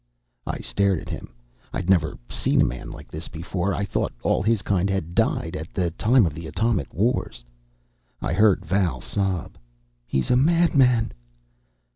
I stared at him. I'd never seen a man like this before; I thought all his kind had died at the time of the atomic wars. I heard Val sob, "He's a madman!"